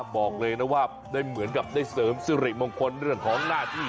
บอกเลยนะว่าได้เหมือนกับได้เสริมสิริมงคลเรื่องของหน้าที่